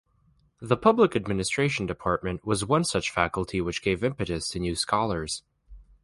The public administration department was one such faculty which gave impetus to new Scholars.